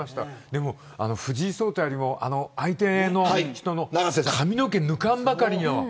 でも藤井聡太よりも相手の人の髪の毛抜かんばかりの。